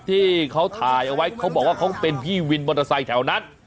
ที่เขาถ่ายเอาไว้เขาบอกว่าเขาเป็นพี่วินมอเตอร์ไซค์แถวนั้น